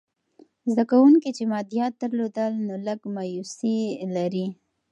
زده کوونکي چې مادیات درلودل، نو لږ مایوسې لري.